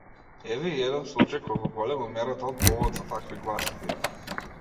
Еве и еден случај кој во голема мера дал повод за такви гласини.